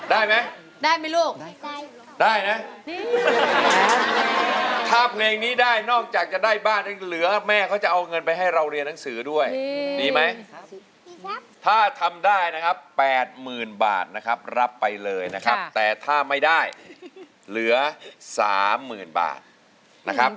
ได้ไหมได้ไหมลูกได้นะถ้าเพลงนี้ได้นอกจากจะได้บ้านเหลือแม่เขาจะเอาเงินไปให้เราเรียนหนังสือด้วยดีไหมถ้าทำได้นะครับ๘๐๐๐บาทนะครับรับไปเลยนะครับแต่ถ้าไม่ได้เหลือ๓๐๐๐บาทนะครับ